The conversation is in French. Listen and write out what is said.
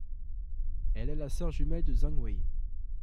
Elle est la sœur jumelle de Zhang Wei.